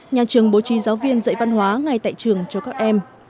nhà trường bố trí giáo viên dạy văn hóa ngay tại trường cho các em